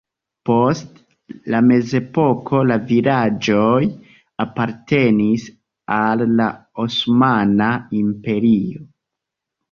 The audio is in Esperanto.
Post la mezepoko la vilaĝoj apartenis al la Osmana Imperio.